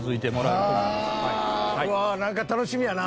うわっなんか楽しみやな。